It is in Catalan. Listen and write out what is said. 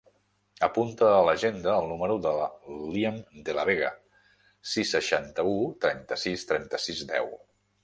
Apunta a l'agenda el número del Liam De La Vega: sis, seixanta-u, trenta-sis, trenta-sis, deu.